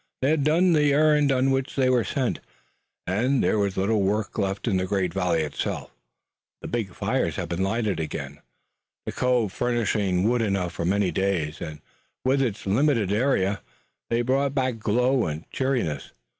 They had done the errand on which they were sent, and there was little work left in the great valley itself. The big fires had been lighted again, the cove furnishing wood enough for many days, and within its limited area they brought back glow and cheeriness.